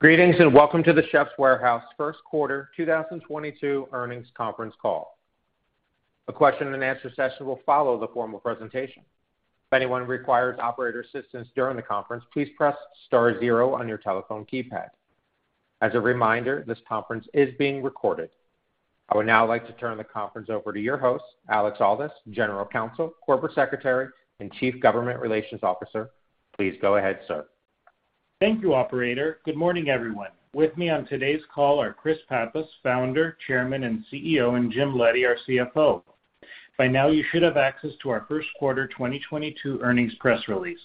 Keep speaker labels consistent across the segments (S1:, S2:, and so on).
S1: Greetings, and welcome to The Chefs' Warehouse first quarter 2022 earnings conference call. A question and answer session will follow the formal presentation. If anyone requires operator assistance during the conference, please press star zero on your telephone keypad. As a reminder, this conference is being recorded. I would now like to turn the conference over to your host, Alex Aldous, General Counsel, Corporate Secretary, and Chief Government Relations Officer. Please go ahead, sir.
S2: Thank you, operator. Good morning, everyone. With me on today's call are Chris Pappas, Founder, Chairman, and CEO, and Jim Leddy, our CFO. By now, you should have access to our first quarter 2022 earnings press release.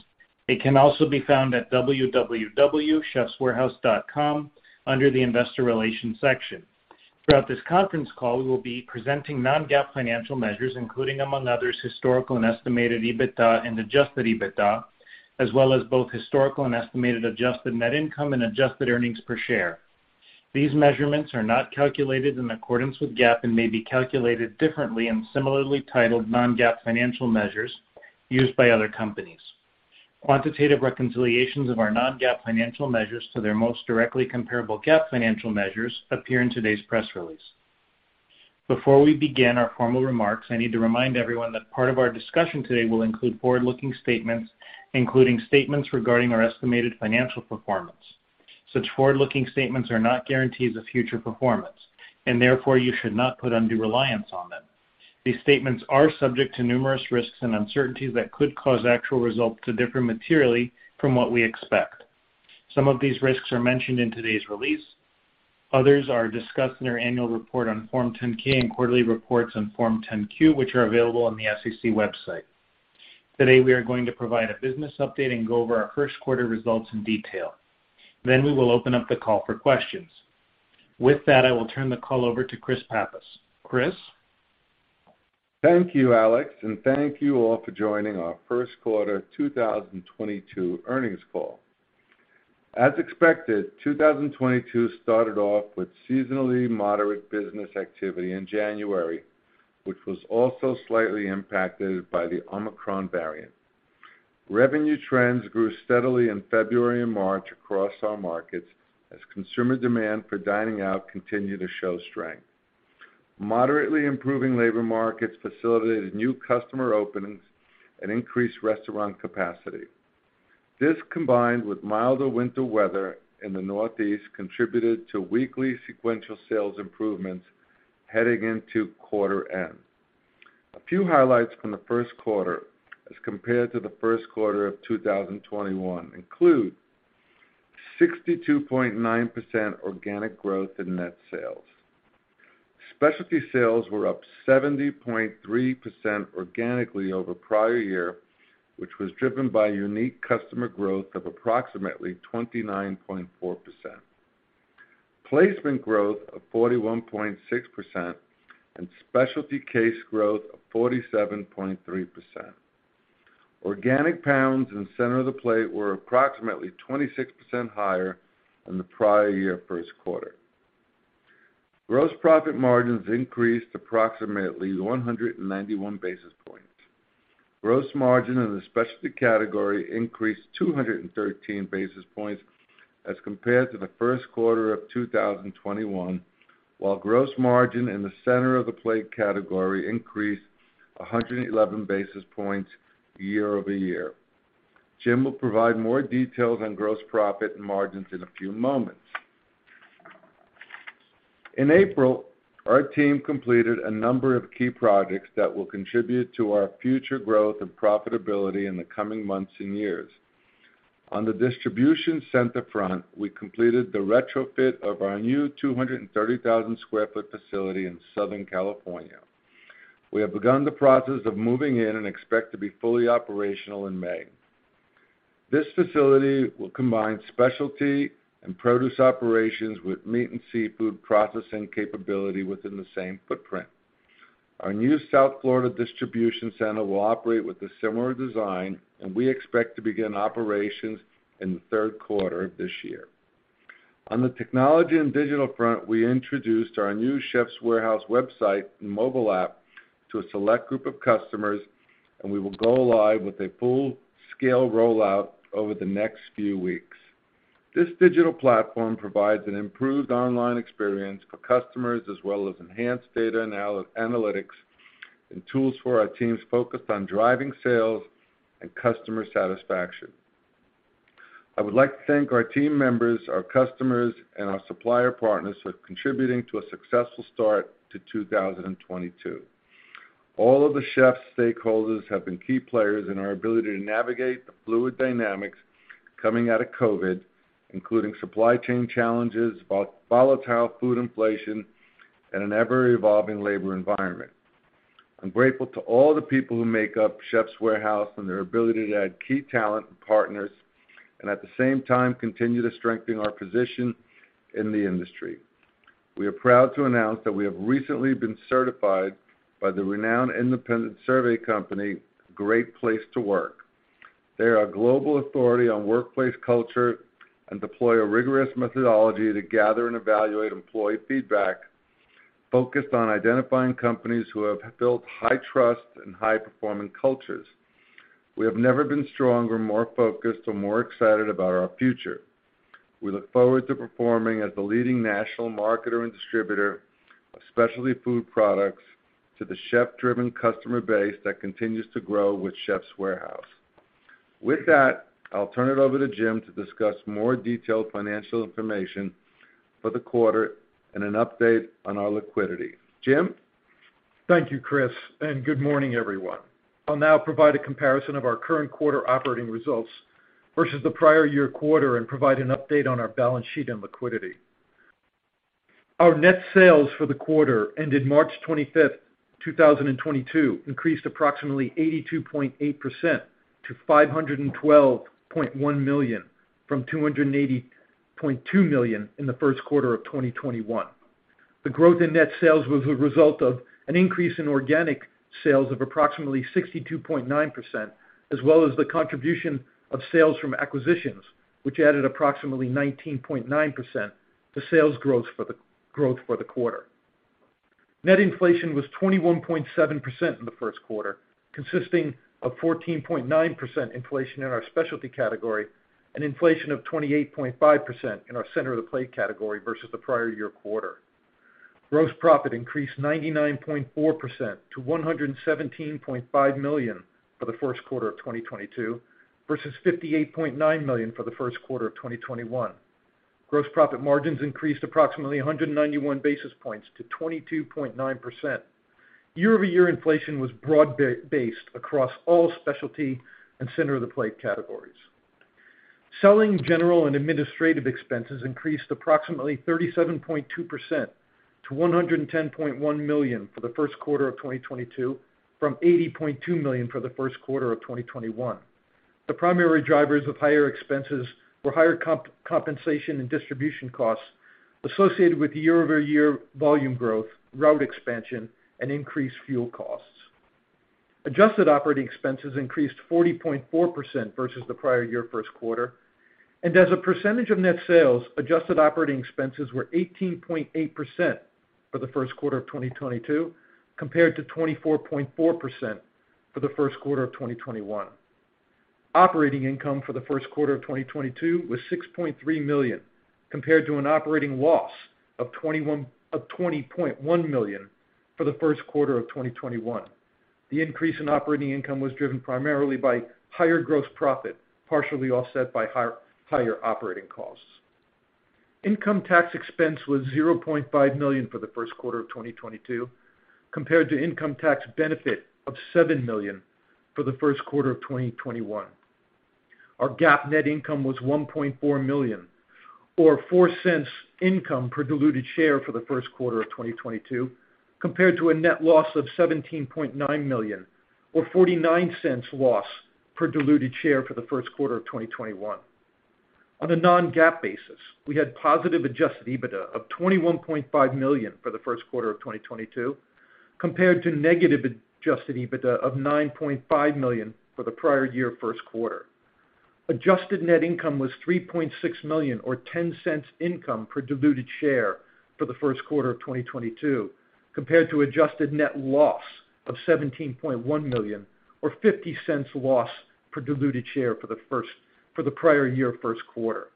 S2: It can also be found at www.chefswarehouse.com under the Investor Relations section. Throughout this conference call, we will be presenting non-GAAP financial measures, including among others, historical and estimated EBITDA and adjusted EBITDA, as well as both historical and estimated adjusted net income and adjusted earnings per share. These measurements are not calculated in accordance with GAAP and may be calculated differently in similarly titled non-GAAP financial measures used by other companies. Quantitative reconciliations of our non-GAAP financial measures to their most directly comparable GAAP financial measures appear in today's press release. Before we begin our formal remarks, I need to remind everyone that part of our discussion today will include forward-looking statements, including statements regarding our estimated financial performance. Such forward-looking statements are not guarantees of future performance, and therefore you should not put undue reliance on them. These statements are subject to numerous risks and uncertainties that could cause actual results to differ materially from what we expect. Some of these risks are mentioned in today's release. Others are discussed in our annual report on Form 10-K and quarterly reports on Form 10-Q, which are available on the SEC website. Today, we are going to provide a business update and go over our first quarter results in detail. Then we will open up the call for questions. With that, I will turn the call over to Chris Pappas. Chris?
S3: Thank you, Alex, and thank you all for joining our first quarter 2022 earnings call. As expected, 2022 started off with seasonally moderate business activity in January, which was also slightly impacted by the Omicron variant. Revenue trends grew steadily in February and March across our markets as consumer demand for dining out continued to show strength. Moderately improving labor markets facilitated new customer openings and increased restaurant capacity. This combined with milder winter weather in the Northeast contributed to weekly sequential sales improvements heading into quarter end. A few highlights from the first quarter as compared to the first quarter of 2021 include 62.9% organic growth in net sales. Specialty sales were up 70.3% organically over prior year, which was driven by unique customer growth of approximately 29.4%. Placement growth of 41.6% and specialty case growth of 47.3%. Organic pounds in center of the plate were approximately 26% higher than the prior year first quarter. Gross profit margins increased approximately 191 basis points. Gross margin in the specialty category increased 213 basis points as compared to the first quarter of 2021, while gross margin in the center of the plate category increased 111 basis points year over year. Jim will provide more details on gross profit and margins in a few moments. In April, our team completed a number of key projects that will contribute to our future growth and profitability in the coming months and years. On the distribution center front, we completed the retrofit of our new 230,000 sq ft facility in Southern California. We have begun the process of moving in and expect to be fully operational in May. This facility will combine specialty and produce operations with meat and seafood processing capability within the same footprint. Our new South Florida distribution center will operate with a similar design, and we expect to begin operations in the third quarter of this year. On the technology and digital front, we introduced our new Chef's Warehouse website and mobile app to a select group of customers, and we will go live with a full scale rollout over the next few weeks. This digital platform provides an improved online experience for customers as well as enhanced data analytics and tools for our teams focused on driving sales and customer satisfaction. I would like to thank our team members, our customers and our supplier partners for contributing to a successful start to 2022. All of the Chef's Warehouse stakeholders have been key players in our ability to navigate the fluid dynamics coming out of COVID, including supply chain challenges, volatile food inflation, and an ever-evolving labor environment. I'm grateful to all the people who make up Chef's Warehouse and their ability to add key talent and partners, and at the same time, continue to strengthen our position in the industry. We are proud to announce that we have recently been certified by the renowned independent survey company, Great Place To Work. They are a global authority on workplace culture and deploy a rigorous methodology to gather and evaluate employee feedback. Focused on identifying companies who have built high trust and high performing cultures. We have never been stronger, more focused or more excited about our future. We look forward to performing as the leading national marketer and distributor of specialty food products to the chef-driven customer base that continues to grow with The Chefs' Warehouse. With that, I'll turn it over to Jim to discuss more detailed financial information for the quarter and an update on our liquidity. Jim.
S4: Thank you, Chris, and good morning, everyone. I'll now provide a comparison of our current quarter operating results versus the prior year quarter and provide an update on our balance sheet and liquidity. Our net sales for the quarter ended March 25, 2022 increased approximately 82.8% to 512.1 million from 280.2 million in the first quarter of 2021. The growth in net sales was a result of an increase in organic sales of approximately 62.9%, as well as the contribution of sales from acquisitions, which added approximately 19.9% to sales growth for the quarter. Net inflation was 21.7% in the first quarter, consisting of 14.9% inflation in our specialty category and inflation of 28.5% in our center of the plate category versus the prior year quarter. Gross profit increased 99.4% to 117.5 million for the first quarter of 2022 versus 58.9 million for the first quarter of 2021. Gross profit margins increased approximately 191 basis points to 22.9%. Year-over-year inflation was broad based across all specialty and center of the plate categories. Selling, general and administrative expenses increased approximately 37.2% to 110.1 million for the first quarter of 2022 from 80.2 million for the first quarter of 2021. The primary drivers of higher expenses were higher compensation and distribution costs associated with year-over-year volume growth, route expansion, and increased fuel costs. Adjusted operating expenses increased 40.4% versus the prior year first quarter. As a percentage of net sales, adjusted operating expenses were 18.8% for the first quarter of 2022, compared to 24.4% for the first quarter of 2021. Operating income for the first quarter of 2022 was 6.3 million, compared to an operating loss of 20.1 million for the first quarter of 2021. The increase in operating income was driven primarily by higher gross profit, partially offset by higher operating costs. Income tax expense was 0.5 million for the first quarter of 2022, compared to income tax benefit of 7 million for the first quarter of 2021. Our GAAP net income was 1.4 million or 0.04 income per diluted share for the first quarter of 2022, compared to a net loss of 17.9 million or 0.49 loss per diluted share for the first quarter of 2021. On a non-GAAP basis, we had positive adjusted EBITDA of 21.5 million for the first quarter of 2022, compared to negative adjusted EBITDA of 9.5 million for the prior year first quarter. Adjusted net income was 3.6 million or 0.10 income per diluted share for the first quarter of 2022, compared to adjusted net loss of 17.1 million or 0.50 loss per diluted share for the prior year first quarter.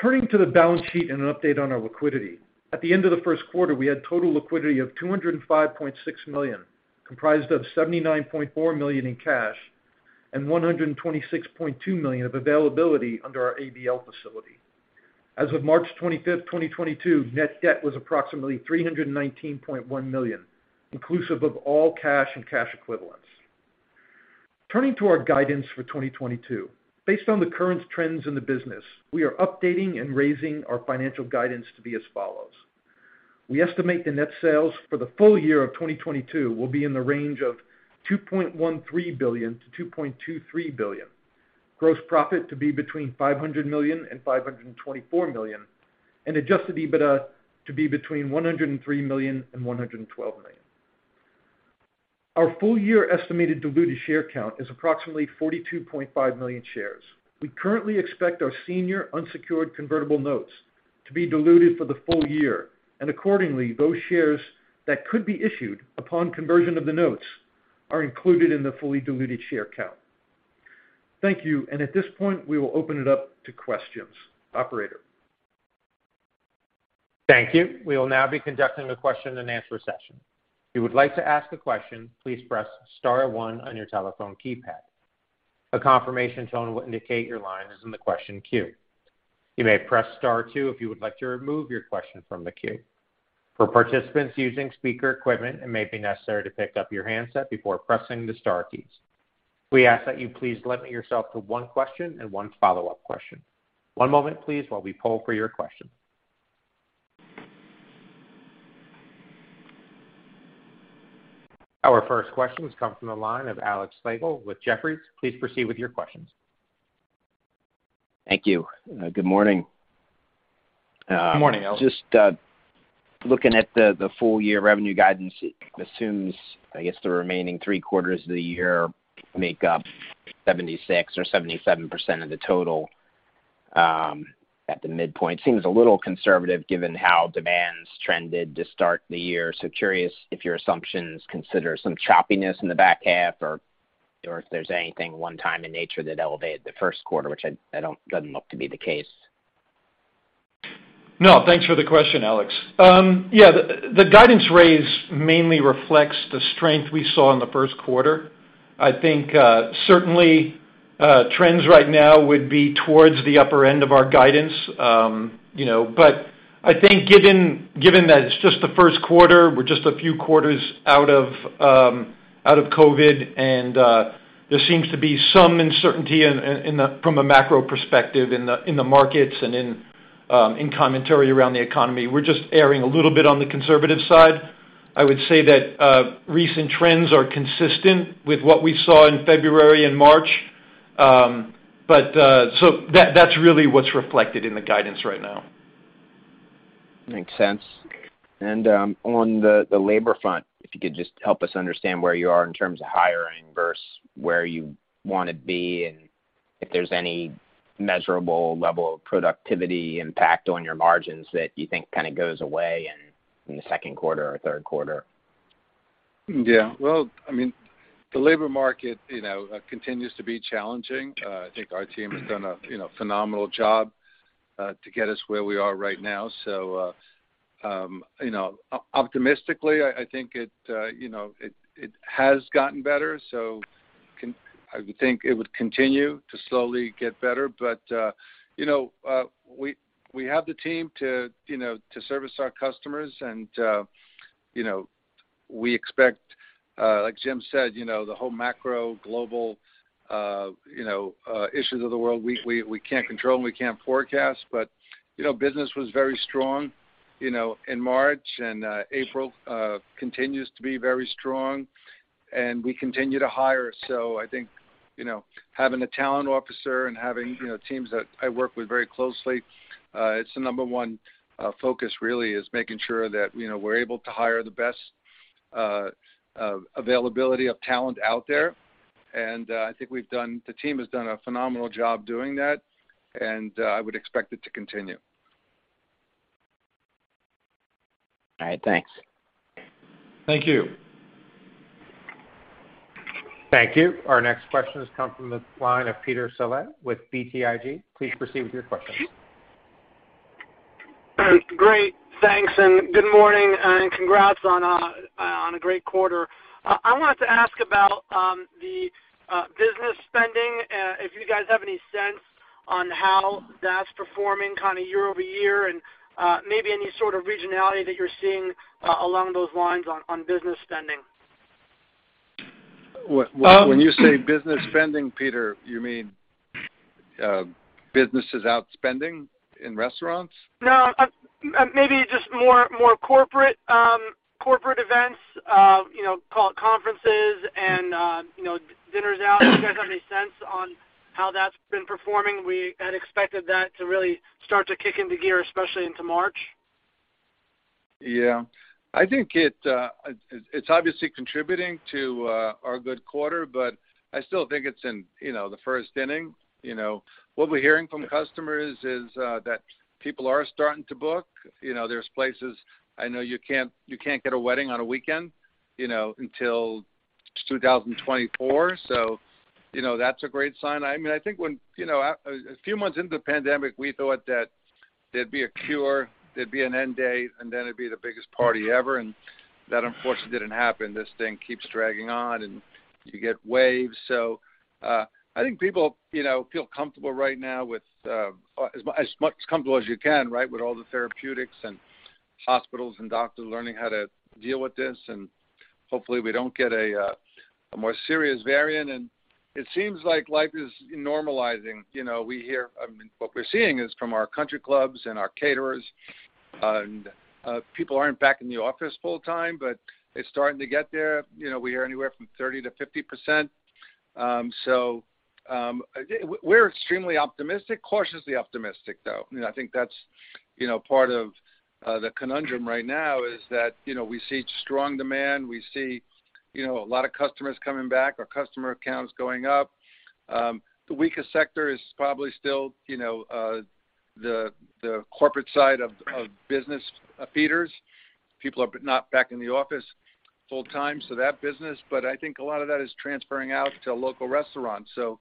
S4: Turning to the balance sheet and an update on our liquidity. At the end of the first quarter, we had total liquidity of $205.6 million, comprised of 79.4 million in cash and 126.2 million of availability under our ABL facility. As of March 25th, 2022, net debt was approximately 319.1 million, inclusive of all cash and cash equivalents. Turning to our guidance for 2022. Based on the current trends in the business, we are updating and raising our financial guidance to be as follows. We estimate the net sales for the full year of 2022 will be in the range of 2.13 billion-2.23 billion. Gross profit to be between 500 million-524 million, and adjusted EBITDA to be between 103 million-112 million. Our full year estimated diluted share count is approximately 42.5 million shares. We currently expect our senior unsecured convertible notes to be diluted for the full year, and accordingly, those shares that could be issued upon conversion of the notes are included in the fully diluted share count. Thank you. At this point, we will open it up to questions. Operator.
S1: Thank you. We will now be conducting a question and answer session. If you would like to ask a question, please press star one on your telephone keypad. A confirmation tone will indicate your line is in the question queue. You may press star two if you would like to remove your question from the queue. For participants using speaker equipment, it may be necessary to pick up your handset before pressing the star keys. We ask that you please limit yourself to one question and one follow-up question. One moment, please, while we poll for your question. Our first question comes from the line of Alex Slagle with Jefferies. Please proceed with your questions.
S5: Thank you. Good morning.
S4: Good morning, Alex.
S5: Just looking at the full year revenue guidance assumes, I guess, the remaining three quarters of the year make up 76% or 77% of the total. At the midpoint seems a little conservative given how demand trended to start the year. Curious if your assumptions consider some choppiness in the back half or if there's anything one-time in nature that elevated the first quarter, which doesn't look to be the case.
S4: No, thanks for the question, Alex. Yeah, the guidance raise mainly reflects the strength we saw in the first quarter. I think certainly trends right now would be towards the upper end of our guidance. You know, but I think given that it's just the first quarter, we're just a few quarters out of COVID, and there seems to be some uncertainty in from a macro perspective in the markets and in commentary around the economy. We're just erring a little bit on the conservative side. I would say that recent trends are consistent with what we saw in February and March. That's really what's reflected in the guidance right now.
S5: Makes sense. On the labor front, if you could just help us understand where you are in terms of hiring versus where you wanna be, and if there's any measurable level of productivity impact on your margins that you think kind of goes away in the second quarter or third quarter?
S3: Yeah. Well, I mean, the labor market, you know, continues to be challenging. I think our team has done a, you know, phenomenal job to get us where we are right now. Optimistically, I think it has gotten better. I would think it would continue to slowly get better. We have the team to service our customers and we expect, like Jim said, the whole macro global issues of the world, we can't control and we can't forecast. Business was very strong in March and April, continues to be very strong, and we continue to hire. I think, you know, having a talent officer and having, you know, teams that I work with very closely, it's the number one focus really is making sure that, you know, we're able to hire the best available talent out there. I think the team has done a phenomenal job doing that, and I would expect it to continue.
S5: All right. Thanks.
S4: Thank you.
S1: Thank you. Our next question has come from the line of Peter Saleh with BTIG. Please proceed with your question.
S6: Great. Thanks, and good morning, and congrats on a great quarter. I wanted to ask about the business spending, if you guys have any sense on how that's performing kind of year-over-year and, maybe any sort of regionality that you're seeing, along those lines on business spending.
S3: When you say business spending, Peter, you mean, businesses out spending in restaurants?
S6: No. Maybe just more corporate events, you know, call it conferences and dinners out. If you guys have any sense on how that's been performing? We had expected that to really start to kick into gear, especially into March.
S3: Yeah. I think it's obviously contributing to our good quarter, but I still think it's in, you know, the first inning. You know, what we're hearing from customers is that people are starting to book. You know, there are places I know you can't get a wedding on a weekend, you know, until 2024. You know, that's a great sign. I mean, I think when, you know, a few months into the pandemic, we thought that there'd be a cure, there'd be an end date, and then it'd be the biggest party ever. That unfortunately didn't happen. This thing keeps dragging on and you get waves. I think people, you know, feel comfortable right now with as comfortable as you can, right? With all the therapeutics and hospitals and doctors learning how to deal with this. Hopefully we don't get a more serious variant. It seems like life is normalizing. I mean, what we're seeing is from our country clubs and our caterers and people aren't back in the office full-time, but it's starting to get there. We are anywhere from 30%-50%. We're extremely optimistic, cautiously optimistic, though. I think that's part of the conundrum right now is that we see strong demand. We see a lot of customers coming back, our customer counts going up. The weakest sector is probably still the corporate side of caterers. People are not back in the office full-time, so that business. I think a lot of that is transferring out to local restaurants, so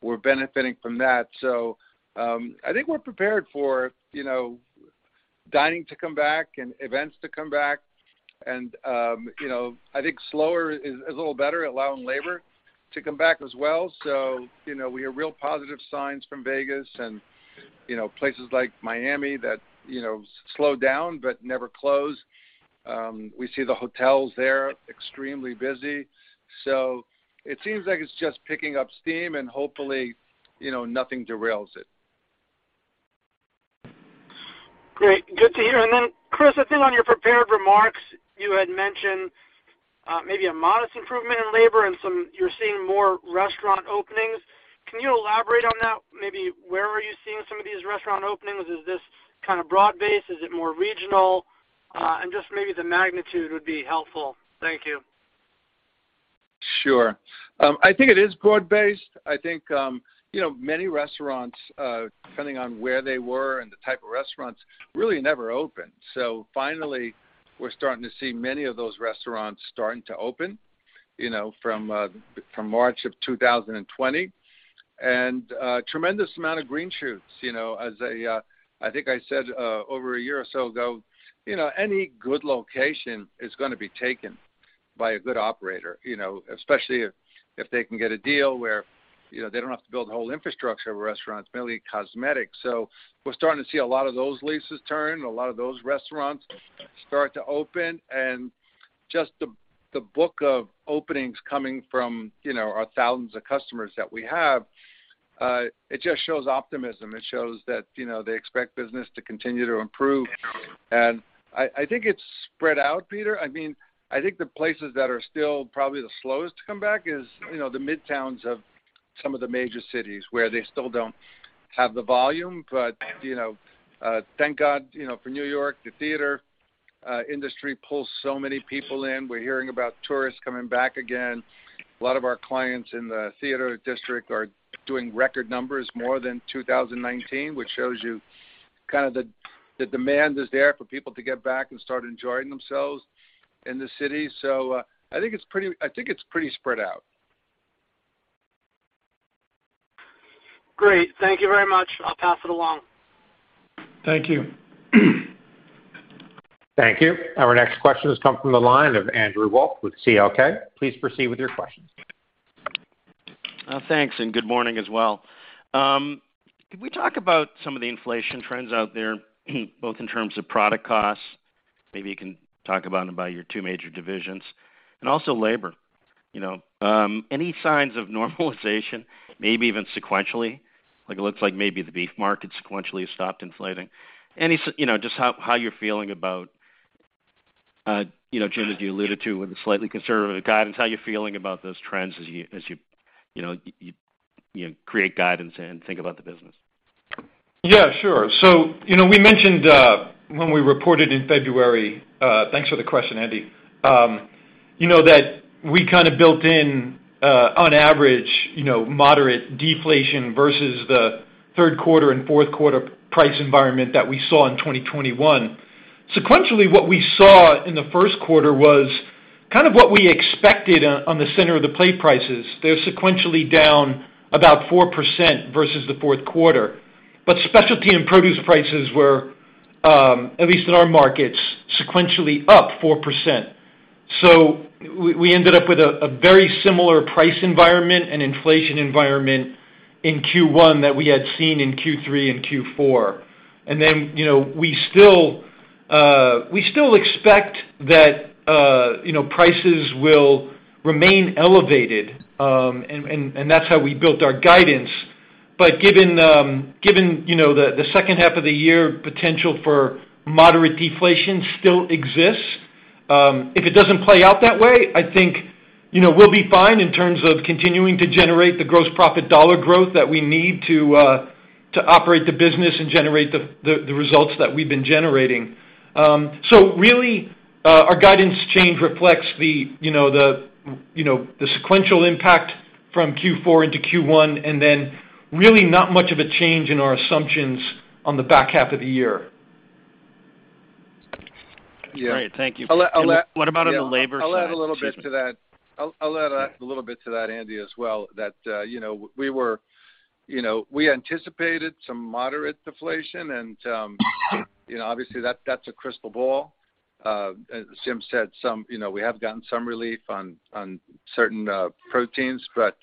S3: we're benefiting from that. I think we're prepared for, you know, dining to come back and events to come back. I think slower is a little better allowing labor to come back as well. We have real positive signs from Vegas and, you know, places like Miami that, you know, slowed down but never closed. We see the hotels there extremely busy. It seems like it's just picking up steam, and hopefully, you know, nothing derails it.
S6: Great. Good to hear. Chris, I think on your prepared remarks, you had mentioned maybe a modest improvement in labor and you're seeing more restaurant openings. Can you elaborate on that? Maybe where are you seeing some of these restaurant openings? Is this kind of broad-based? Is it more regional? Just maybe the magnitude would be helpful. Thank you.
S3: Sure. I think it is broad-based. I think, you know, many restaurants, depending on where they were and the type of restaurants, really never opened. Finally, we're starting to see many of those restaurants starting to open, you know, from March of 2020. Tremendous amount of green shoots, you know. I think I said, over a year or so ago, you know, any good location is gonna be taken by a good operator, you know, especially if they can get a deal where, you know, they don't have to build a whole infrastructure of restaurants, mainly cosmetic. We're starting to see a lot of those leases turn, a lot of those restaurants start to open, and just the book of openings coming from, you know, our thousands of customers that we have. It just shows optimism. It shows that, you know, they expect business to continue to improve. I think it's spread out, Peter. I mean, I think the places that are still probably the slowest to come back is, you know, the midtowns of some of the major cities where they still don't have the volume. You know, thank God, you know, for New York, the theater industry pulls so many people in. We're hearing about tourists coming back again. A lot of our clients in the theater district are doing record numbers more than 2019, which shows you kind of the demand is there for people to get back and start enjoying themselves in the city. I think it's pretty spread out.
S7: Great. Thank you very much. I'll pass it along.
S4: Thank you.
S1: Thank you. Our next question has come from the line of Andrew Wolf with CL King. Please proceed with your questions.
S8: Thanks, good morning as well. Can we talk about some of the inflation trends out there, both in terms of product costs, maybe you can talk about them by your two major divisions, and also labor, you know. Any signs of normalization, maybe even sequentially? Like, it looks like maybe the beef market sequentially has stopped inflating. Any, you know, just how you're feeling about, you know, Jim, as you alluded to with a slightly conservative guidance, how you're feeling about those trends as you know, you create guidance and think about the business.
S4: Yeah, sure. You know, we mentioned when we reported in February, thanks for the question, Andy, you know, that we kinda built in on average, you know, moderate deflation versus the third quarter and fourth quarter price environment that we saw in 2021. Sequentially, what we saw in the first quarter was kind of what we expected on the center of the plate prices. They're sequentially down about 4% versus the fourth quarter. Specialty and produce prices were at least in our markets, sequentially up 4%. We ended up with a very similar price environment and inflation environment in Q1 that we had seen in Q3 and Q4. You know, we still expect that, you know, prices will remain elevated, and that's how we built our guidance. Given you know the second half of the year potential for moderate deflation still exists. If it doesn't play out that way, I think, you know, we'll be fine in terms of continuing to generate the gross profit dollar growth that we need to to operate the business and generate the results that we've been generating. So really our guidance change reflects the you know the sequential impact from Q4 into Q1, and then really not much of a change in our assumptions on the back half of the year.
S8: Great. Thank you.
S3: I'll add.
S8: What about on the labor side? Excuse me.
S3: I'll add a little bit to that, Andy, as well, you know, we anticipated some moderate deflation and, you know, obviously, that's a crystal ball. As Jim said, you know, we have gotten some relief on certain proteins, but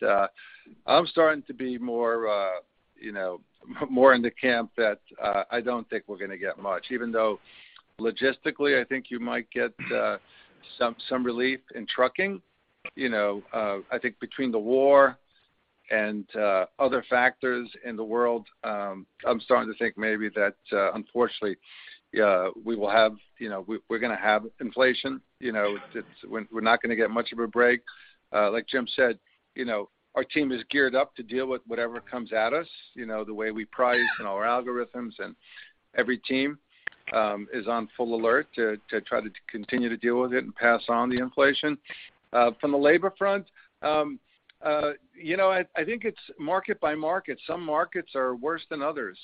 S3: I'm starting to be more, you know, more in the camp that I don't think we're gonna get much, even though logistically, I think you might get some relief in trucking. You know, I think between the war and other factors in the world, I'm starting to think maybe that, unfortunately, we will have, you know, we're gonna have inflation. You know, we're not gonna get much of a break. Like Jim said, you know, our team is geared up to deal with whatever comes at us, you know, the way we price and our algorithms, and every team is on full alert to try to continue to deal with it and pass on the inflation. From the labor front, you know, I think it's market by market. Some markets are worse than others.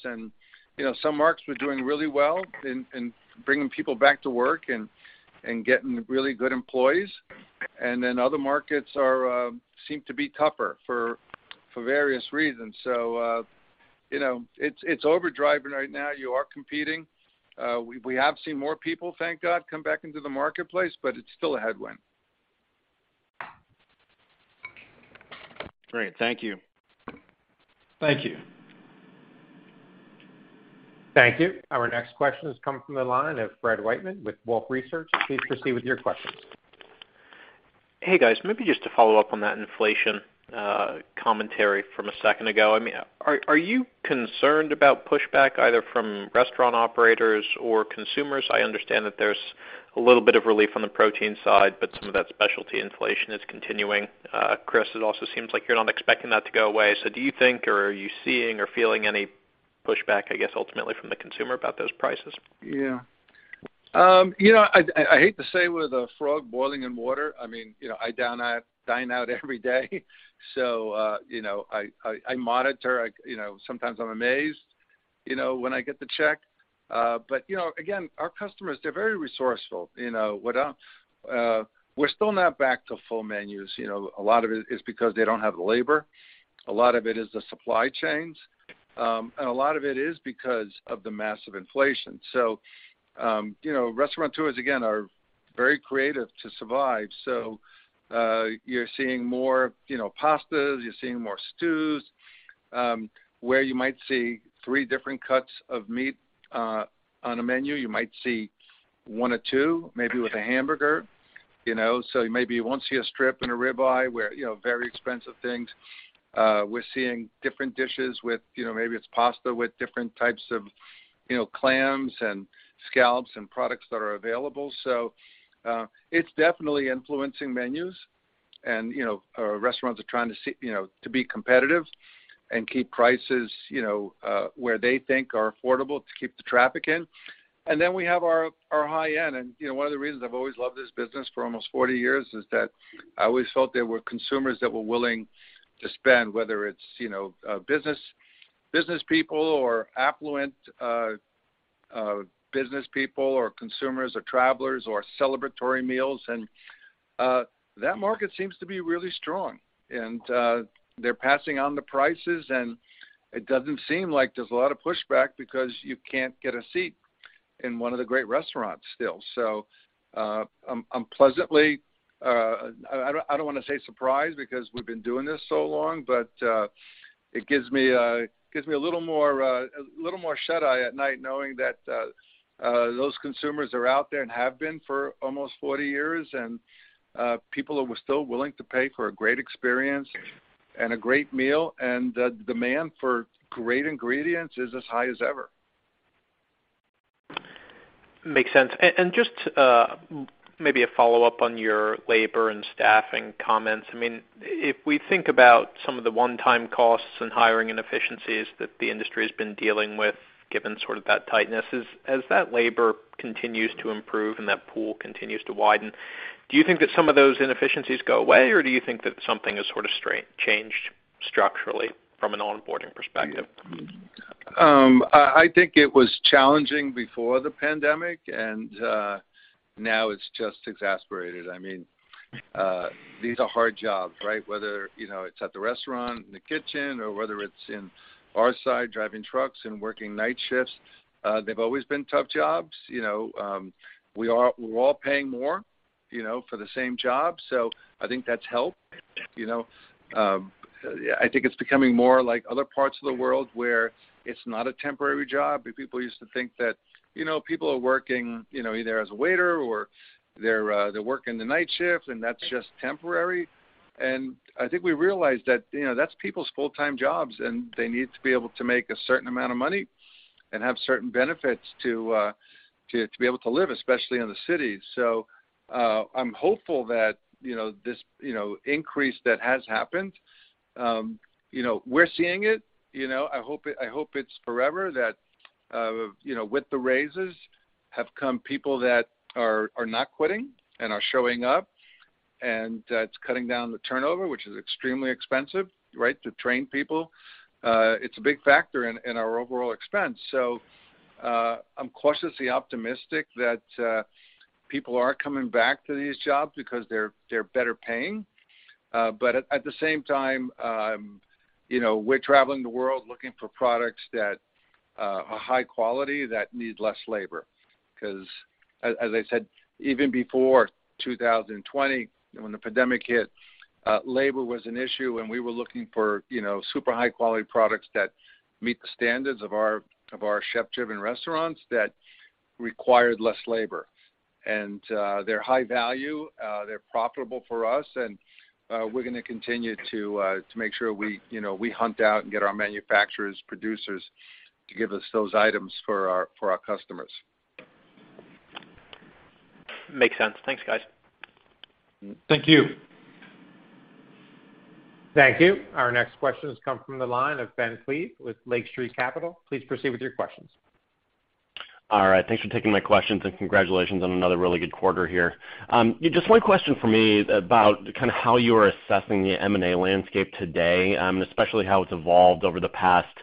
S3: You know, some markets, we're doing really well in bringing people back to work and getting really good employees. Then other markets seem to be tougher for various reasons. You know, it's overdriving right now. You are competing. We have seen more people, thank God, come back into the marketplace, but it's still a headwind.
S8: Great. Thank you.
S4: Thank you.
S1: Thank you. Our next question has come from the line of Fred Wightman with Wolfe Research. Please proceed with your questions.
S9: Hey, guys. Maybe just to follow up on that inflation commentary from a second ago. I mean, are you concerned about pushback either from restaurant operators or consumers? I understand that there's a little bit of relief on the protein side, but some of that specialty inflation is continuing. Chris, it also seems like you're not expecting that to go away. Do you think or are you seeing or feeling any pushback, I guess, ultimately from the consumer about those prices?
S3: Yeah. You know, I hate to say with a frog boiling in water. I mean, you know, I dine out every day. You know, I monitor, you know, sometimes I'm amazed, you know, when I get the check. You know, again, our customers, they're very resourceful, you know. We're still not back to full menus, you know. A lot of it is because they don't have the labor. A lot of it is the supply chains. A lot of it is because of the massive inflation. You know, restaurateurs, again, are very creative to survive. You're seeing more, you know, pastas. You're seeing more stews. Where you might see three different cuts of meat on a menu, you might see one or two, maybe with a hamburger, you know. Maybe you won't see a strip and a rib eye where, you know, very expensive things. We're seeing different dishes with, you know, maybe it's pasta with different types of, you know, clams and scallops and products that are available. It's definitely influencing menus and, you know, restaurants are trying to see, you know, to be competitive and keep prices, you know, where they think are affordable to keep the traffic in. We have our high-end. You know, one of the reasons I've always loved this business for almost 40 years is that I always felt there were consumers that were willing to spend, whether it's, you know, business people or affluent business people or consumers or travelers or celebratory meals. That market seems to be really strong. They're passing on the prices, and it doesn't seem like there's a lot of pushback because you can't get a seat in one of the great restaurants still. I'm pleasantly. I don't wanna say surprised because we've been doing this so long, but it gives me a little more shuteye at night knowing that those consumers are out there and have been for almost 40 years. People are still willing to pay for a great experience and a great meal. The demand for great ingredients is as high as ever.
S9: Makes sense. Just maybe a follow-up on your labor and staffing comments. I mean, if we think about some of the one-time costs and hiring inefficiencies that the industry has been dealing with, given sort of that tightness, as that labor continues to improve and that pool continues to widen, do you think that some of those inefficiencies go away, or do you think that something has sort of changed structurally from an onboarding perspective?
S3: I think it was challenging before the pandemic, and now it's just exacerbated. I mean, these are hard jobs, right? Whether you know, it's at the restaurant, in the kitchen, or whether it's on our side, driving trucks and working night shifts, they've always been tough jobs. You know, we're all paying more, you know, for the same job. I think that's helped, you know. I think it's becoming more like other parts of the world where it's not a temporary job. People used to think that, you know, people are working, you know, either as a waiter or they're working the night shift, and that's just temporary. I think we realized that, you know, that's people's full-time jobs, and they need to be able to make a certain amount of money and have certain benefits to be able to live, especially in the city. I'm hopeful that, you know, this increase that has happened, you know, we're seeing it, you know. I hope it's forever that, you know, with the raises have come people that are not quitting and are showing up, and it's cutting down the turnover, which is extremely expensive, right? To train people. It's a big factor in our overall expense. I'm cautiously optimistic that people are coming back to these jobs because they're better paying. At the same time, you know, we're traveling the world looking for products that are high quality that need less labor. 'Cause as I said, even before 2020, when the pandemic hit, labor was an issue and we were looking for, you know, super high-quality products that meet the standards of our chef-driven restaurants that required less labor. They're high value, they're profitable for us, and we're gonna continue to make sure we, you know, we hunt out and get our manufacturers, producers to give us those items for our customers.
S9: Makes sense. Thanks, guys.
S3: Thank you.
S1: Thank you. Our next question has come from the line of Ben Klieve with Lake Street Capital. Please proceed with your questions.
S10: All right. Thanks for taking my questions, and congratulations on another really good quarter here. Just one question from me about kinda how you are assessing the M and A landscape today, especially how it's evolved over the past,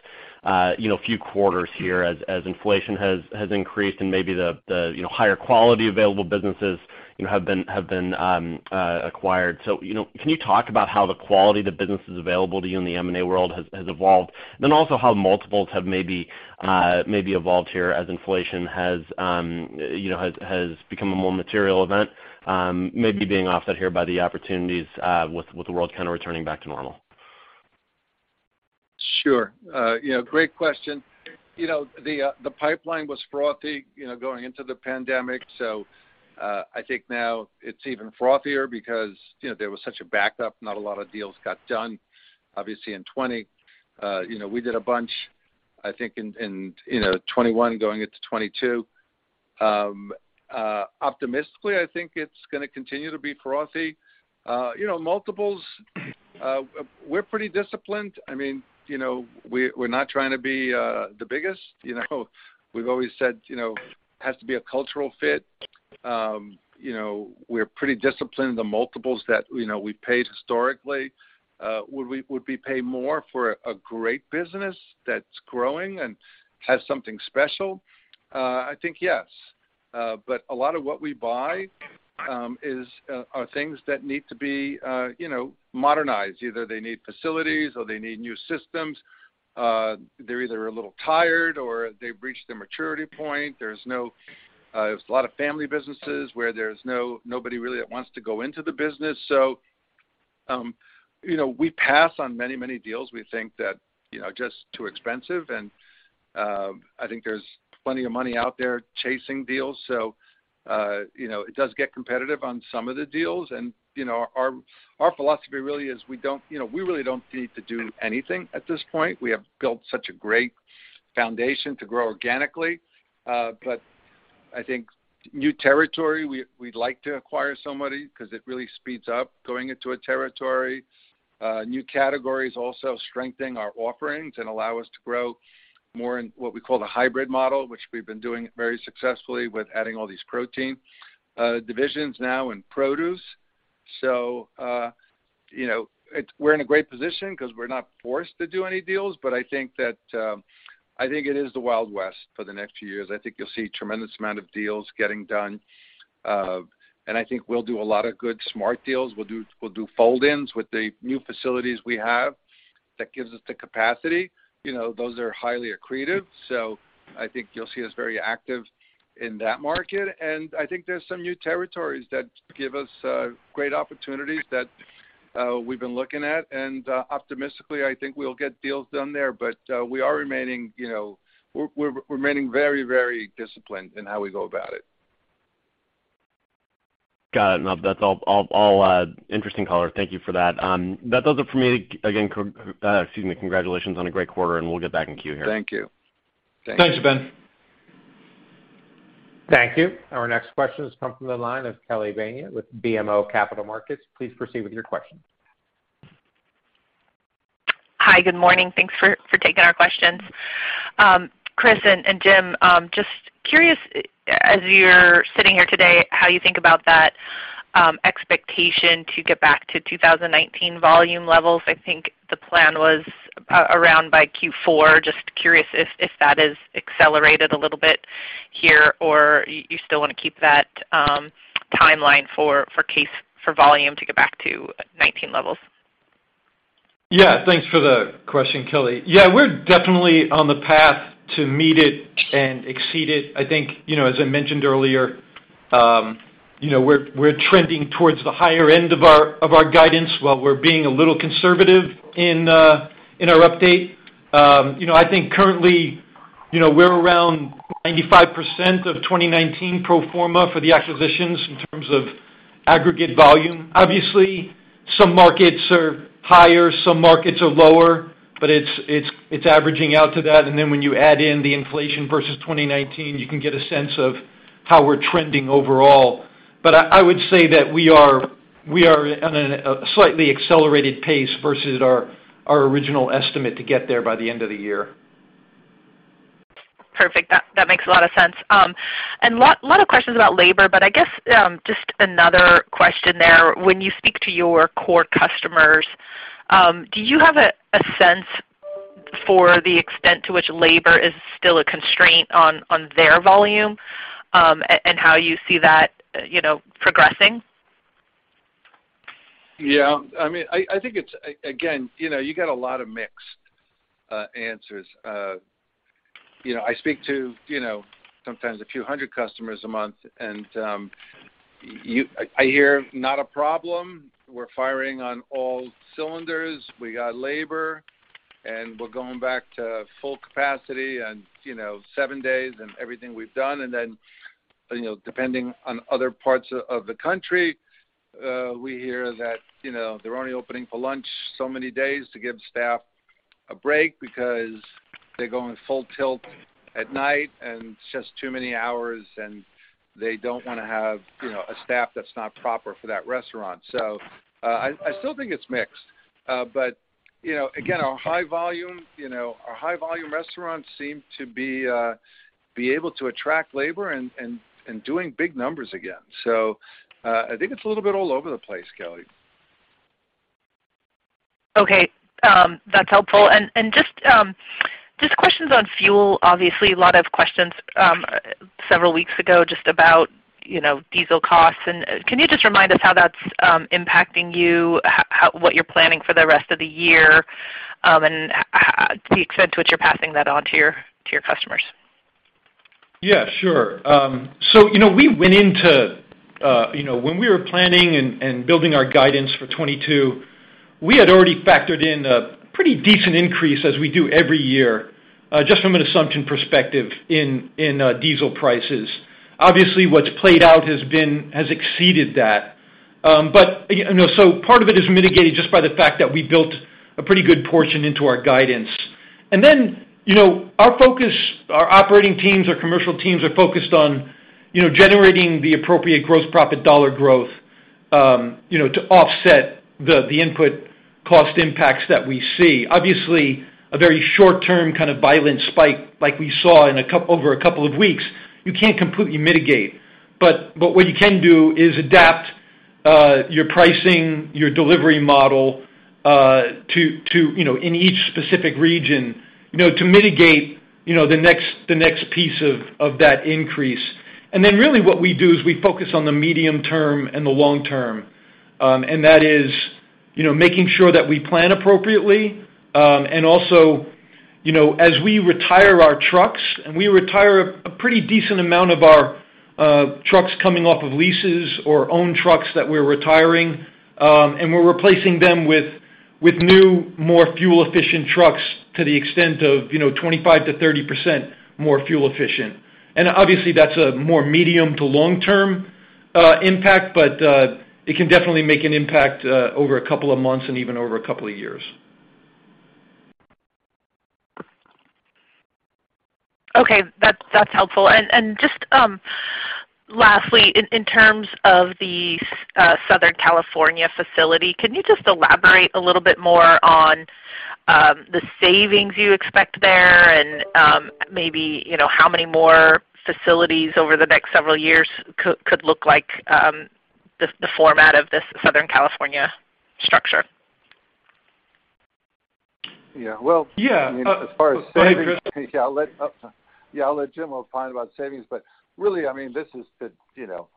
S10: you know, few quarters here as inflation has increased and maybe the, you know, higher quality available businesses, you know, have been acquired. You know, can you talk about how the quality of the businesses available to you in the M and A world has evolved? Also how multiples have maybe evolved here as inflation has, you know, become a more material event, maybe being offset here by the opportunities with the world kinda returning back to normal.
S3: Sure. You know, great question. You know, the pipeline was frothy, you know, going into the pandemic. I think now it's even frothier because, you know, there was such a backup, not a lot of deals got done, obviously, in 2020. You know, we did a bunch, I think in 2021 going into 2022. Optimistically, I think it's gonna continue to be frothy. You know, multiples, we're pretty disciplined. I mean, you know, we're not trying to be the biggest, you know. We've always said, you know, has to be a cultural fit. You know, we're pretty disciplined in the multiples that, you know, we paid historically. Would we pay more for a great business that's growing and has something special? I think, yes. A lot of what we buy are things that need to be, you know, modernized. Either they need facilities, or they need new systems. They're either a little tired, or they've reached their maturity point. There's a lot of family businesses where there's nobody really that wants to go into the business. You know, we pass on many deals we think that, you know, are just too expensive. I think there's plenty of money out there chasing deals, you know, it does get competitive on some of the deals. You know, our philosophy really is we don't, you know, we really don't need to do anything at this point. We have built such a great foundation to grow organically. I think new territory, we'd like to acquire somebody 'cause it really speeds up going into a territory. New categories also strengthen our offerings and allow us to grow more in what we call the hybrid model, which we've been doing very successfully with adding all these protein divisions now and produce. You know, we're in a great position 'cause we're not forced to do any deals. I think it is the Wild West for the next few years. I think you'll see a tremendous amount of deals getting done. I think we'll do a lot of good smart deals. We'll do fold-ins with the new facilities we have that gives us the capacity. You know, those are highly accretive. I think you'll see us very active in that market. I think there's some new territories that give us great opportunities that we've been looking at. Optimistically, I think we'll get deals done there. We're remaining, you know, very, very disciplined in how we go about it.
S10: Got it. That's all interesting color. Thank you for that. That does it for me. Again, excuse me, congratulations on a great quarter, and we'll get back in queue here.
S3: Thank you.
S4: Thanks, Ben.
S1: Thank you. Our next question has come from the line of Kelly Bania with BMO Capital Markets. Please proceed with your question.
S11: Hi. Good morning. Thanks for taking our questions. Chris and Jim, just curious, as you're sitting here today, how you think about that expectation to get back to 2019 volume levels. I think the plan was around by Q4. Just curious if that has accelerated a little bit here, or you still wanna keep that timeline for case volume to get back to 2019 levels.
S4: Yeah. Thanks for the question, Kelly. Yeah, we're definitely on the path to meet it and exceed it. I think, you know, as I mentioned earlier, you know, we're trending towards the higher end of our guidance, while we're being a little conservative in our update. You know, I think currently, you know, we're around 95% of 2019 pro forma for the acquisitions in terms of aggregate volume. Obviously, some markets are higher, some markets are lower, but it's averaging out to that. Then when you add in the inflation versus 2019, you can get a sense of how we're trending overall. I would say that we are on a slightly accelerated pace versus our original estimate to get there by the end of the year.
S11: Perfect. That makes a lot of sense. A lot of questions about labor, but I guess just another question there. When you speak to your core customers, do you have a sense for the extent to which labor is still a constraint on their volume, and how you see that, you know, progressing?
S3: Yeah. I mean, I think it's again, you know, you get a lot of mixed answers. You know, I speak to, you know, sometimes a few hundred customers a month, and I hear, "Not a problem. We're firing on all cylinders. We got labor, and we're going back to full capacity and, you know, seven days and everything we've done." Then, you know, depending on other parts of the country, we hear that, you know, they're only opening for lunch so many days to give staff a break because they're going full tilt at night, and it's just too many hours, and they don't wanna have, you know, a staff that's not proper for that restaurant. I still think it's mixed. you know, again, our high volume, you know, our high volume restaurants seem to be able to attract labor and doing big numbers again. I think it's a little bit all over the place, Kelly.
S11: Okay. That's helpful. Just questions on fuel. Obviously, a lot of questions several weeks ago just about, you know, diesel costs. Can you just remind us how that's impacting you, how what you're planning for the rest of the year, and how the extent to which you're passing that on to your customers?
S4: Yeah, sure. So you know, we went into you know, when we were planning and building our guidance for 2022, we had already factored in a pretty decent increase as we do every year just from an assumption perspective in diesel prices. Obviously, what's played out has exceeded that. You know, part of it is mitigated just by the fact that we built a pretty good portion into our guidance. You know, our focus, our operating teams, our commercial teams are focused on you know, generating the appropriate gross profit dollar growth you know, to offset the input cost impacts that we see. Obviously, a very short term kind of violent spike like we saw over a couple of weeks, you can't completely mitigate. What you can do is adapt your pricing, your delivery model to, you know, in each specific region, you know, to mitigate, you know, the next piece of that increase. Then really what we do is we focus on the medium term and the long term. That is, you know, making sure that we plan appropriately. Also, you know, as we retire our trucks, and we retire a pretty decent amount of our trucks coming off of leases or our own trucks that we're retiring, and we're replacing them with new, more fuel efficient trucks to the extent of, you know, 25%-30% more fuel efficient. Obviously, that's a more medium- to long-term impact, but it can definitely make an impact over a couple of months and even over a couple of years.
S11: Okay. That's helpful. Just lastly, in terms of the Southern California facility, can you just elaborate a little bit more on the savings you expect there and maybe, you know, how many more facilities over the next several years could look like the format of this Southern California structure?
S3: Yeah.
S4: Yeah.
S3: As far as savings, I think I'll let Jim opine about savings. Really, I mean, this is to, you know,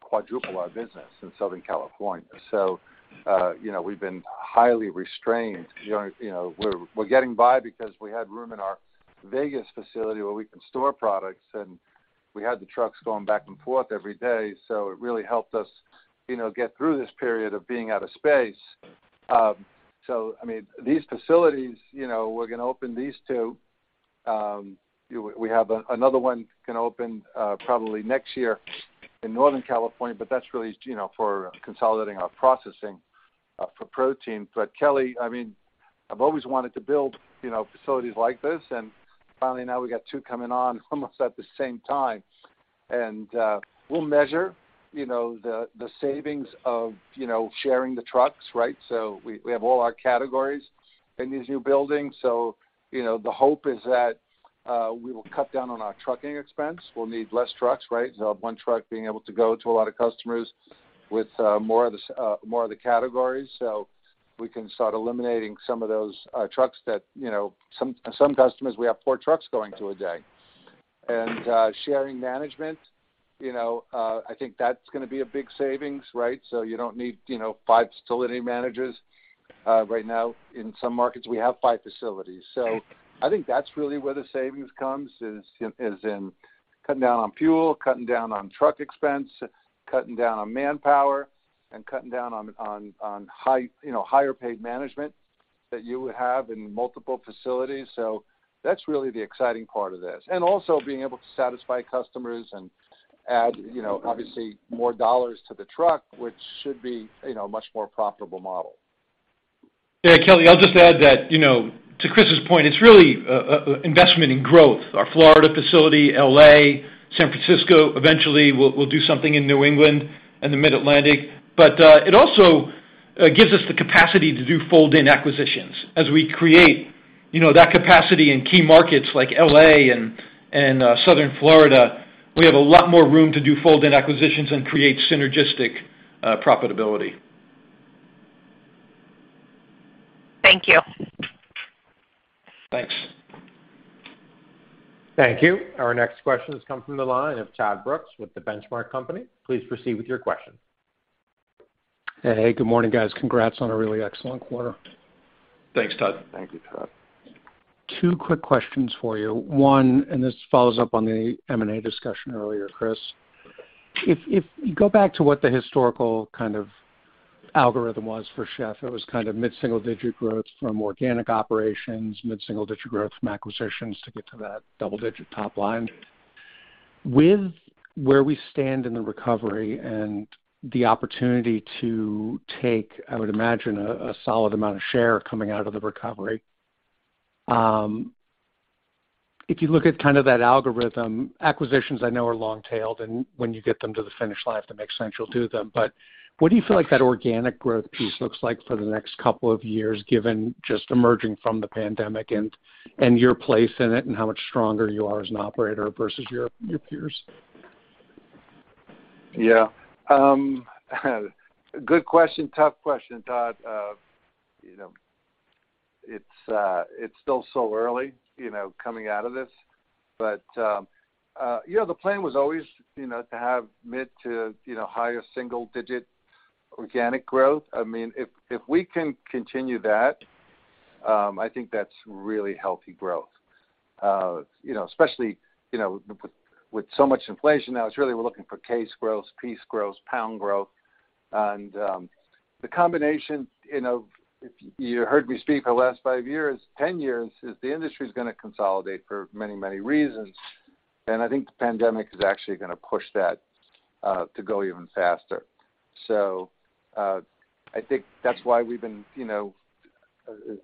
S3: quadruple our business in Southern California. You know, we've been highly restrained. You know, we're getting by because we had room in our Vegas facility where we can store products, and we had the trucks going back and forth every day. It really helped us, you know, get through this period of being out of space. I mean, these facilities, you know, we're gonna open these two. We have another one gonna open, probably next year in Northern California, but that's really, you know, for consolidating our processing for protein. Kelly, I mean, I've always wanted to build, you know, facilities like this, and finally now we got two coming on almost at the same time. We'll measure, you know, the savings of, you know, sharing the trucks, right? We have all our categories in these new buildings. You know, the hope is that we will cut down on our trucking expense. We'll need less trucks, right? One truck being able to go to a lot of customers with more of the categories, so we can start eliminating some of those trucks that, you know, some customers, we have four trucks going to a day. Sharing management, you know, I think that's gonna be a big savings, right? You don't need, you know, five facility managers. Right now in some markets, we have five facilities. I think that's really where the savings comes, is in cutting down on fuel, cutting down on truck expense, cutting down on manpower, and cutting down on high, you know, higher paid management that you would have in multiple facilities. That's really the exciting part of this. Also being able to satisfy customers and add, you know, obviously more dollars to the truck, which should be, you know, a much more profitable model.
S4: Yeah. Kelly, I'll just add that, you know, to Chris's point, it's really a investment in growth. Our Florida facility, L.A., San Francisco, eventually we'll do something in New England and the Mid-Atlantic. But it also gives us the capacity to do bolt-on acquisitions. As we create, you know, that capacity in key markets like L.A. and Southern Florida, we have a lot more room to do bolt-on acquisitions and create synergistic profitability.
S11: Thank you.
S4: Thanks.
S1: Thank you. Our next question has come from the line of Todd Brooks with The Benchmark Company. Please proceed with your question.
S12: Hey. Good morning, guys. Congrats on a really excellent quarter.
S4: Thanks, Todd.
S3: Thank you, Todd.
S12: Two quick questions for you. One, this follows up on the M and A discussion earlier, Chris. If you go back to what the historical kind of algorithm was for Chef, it was kind of mid-single digit growth from organic operations, mid-single digit growth from acquisitions to get to that double-digit top line. With where we stand in the recovery and the opportunity to take, I would imagine, a solid amount of share coming out of the recovery, if you look at kind of that algorithm, acquisitions I know are long-tailed, and when you get them to the finish line, if that makes sense, you'll do them. What do you feel like that organic growth piece looks like for the next couple of years, given just emerging from the pandemic and your place in it and how much stronger you are as an operator versus your peers?
S3: Yeah. Good question. Tough question, Todd. You know, it's still so early, you know, coming out of this. You know, the plan was always, you know, to have mid- to higher single-digit organic growth. I mean, if we can continue that, I think that's really healthy growth. You know, especially, you know, with so much inflation now, it's really we're looking for case growth, piece growth, pound growth. The combination, you know, if you heard me speak for the last five years, 10 years, is the industry is gonna consolidate for many, many reasons. I think the pandemic is actually gonna push that to go even faster. I think that's why we've been, you know...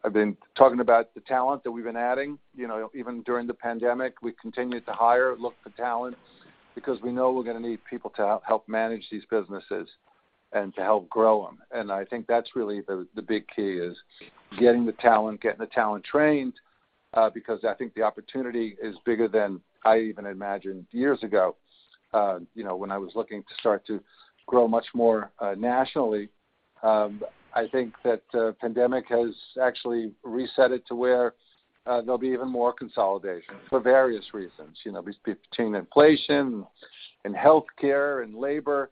S3: I've been talking about the talent that we've been adding, you know, even during the pandemic, we continued to hire, look for talent because we know we're gonna need people to help manage these businesses and to help grow them. I think that's really the big key is getting the talent trained, because I think the opportunity is bigger than I even imagined years ago, you know, when I was looking to start to grow much more, nationally. I think that the pandemic has actually reset it to where there'll be even more consolidation for various reasons. You know, between inflation and healthcare and labor,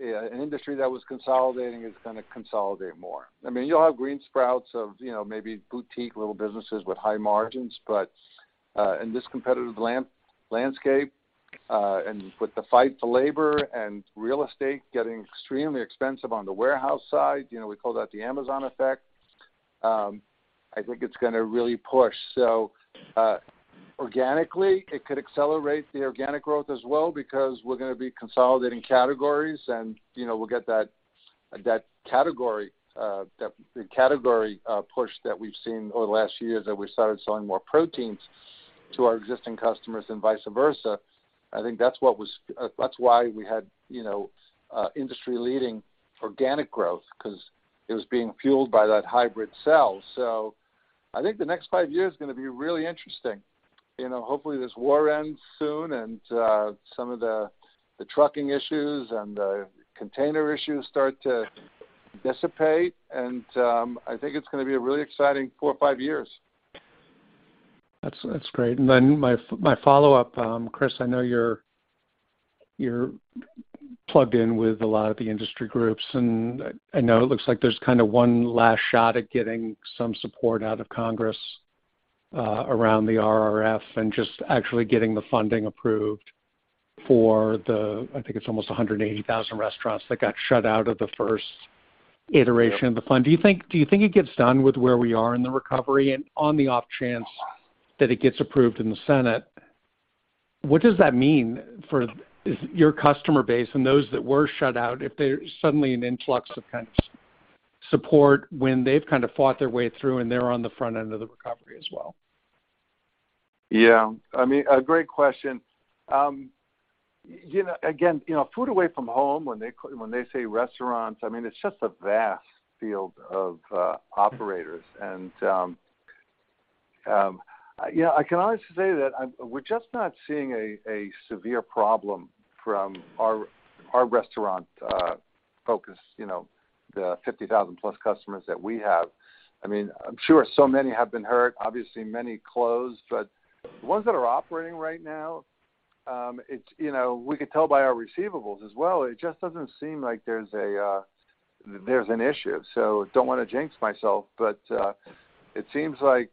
S3: an industry that was consolidating is gonna consolidate more. I mean, you'll have green sprouts of, you know, maybe boutique little businesses with high margins, but in this competitive landscape, and with the fight for labor and real estate getting extremely expensive on the warehouse side, you know, we call that the Amazon effect, I think it's gonna really push. Organically, it could accelerate the organic growth as well because we're gonna be consolidating categories and, you know, we'll get that category push that we've seen over the last year that we started selling more proteins to our existing customers and vice versa. I think that's why we had, you know, industry-leading organic growth 'cause it was being fueled by that hybrid sell. I think the next five years is gonna be really interesting. You know, hopefully, this war ends soon, and some of the the trucking issues and the container issues start to dissipate. I think it's gonna be a really exciting four or five years.
S12: That's great. My follow-up, Chris, I know you're plugged in with a lot of the industry groups, and I know it looks like there's kinda one last shot at getting some support out of Congress around the RRF and just actually getting the funding approved for the, I think it's almost 180,000 restaurants that got shut out of the first iteration of the fund. Do you think it gets done with where we are in the recovery? On the off chance that it gets approved in the Senate, what does that mean for your customer base and those that were shut out if there's suddenly an influx of kind of support when they've kind of fought their way through and they're on the front end of the recovery as well?
S3: Yeah. I mean, a great question. You know, again, you know, food away from home, when they say restaurants, I mean, it's just a vast field of operators. Yeah, I can honestly say that we're just not seeing a severe problem from our restaurant focus, you know, the 50,000+ customers that we have. I mean, I'm sure so many have been hurt, obviously many closed, but the ones that are operating right now, it's, you know, we could tell by our receivables as well, it just doesn't seem like there's an issue. Don't wanna jinx myself, but it seems like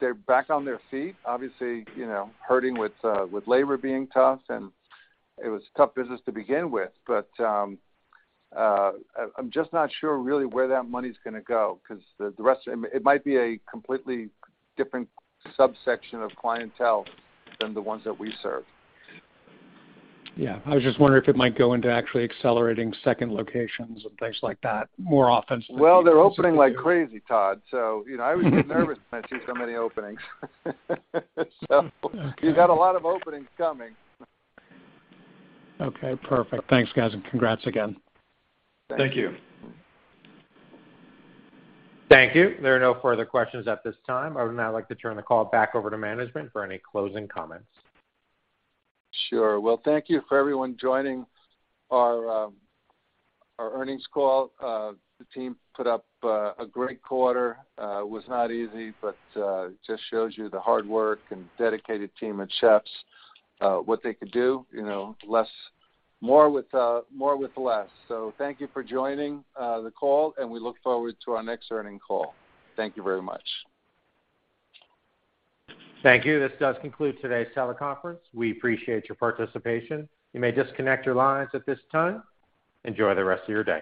S3: they're back on their feet, obviously, you know, hurting with labor being tough, and it was a tough business to begin with. I'm just not sure really where that money's gonna go 'cause the rest of them. It might be a completely different subsection of clientele than the ones that we serve.
S12: Yeah. I was just wondering if it might go into actually accelerating second locations and things like that more often than?
S3: Well, they're opening like crazy, Todd. You know, I always get nervous when I see so many openings. You got a lot of openings coming.
S12: Okay, perfect. Thanks, guys, and congrats again.
S3: Thank you.
S1: Thank you. There are no further questions at this time. I would now like to turn the call back over to management for any closing comments.
S3: Sure. Well, thank you for everyone joining our earnings call. The team put up a great quarter. Was not easy, but it just shows you the hard work and dedicated team at Chef's Warehouse what they could do, you know, more with less. Thank you for joining the call, and we look forward to our next earnings call. Thank you very much.
S1: Thank you. This does conclude today's teleconference. We appreciate your participation. You may disconnect your lines at this time. Enjoy the rest of your day.